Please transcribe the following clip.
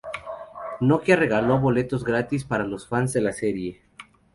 Nokia regaló boletos gratis para los fans de la serie.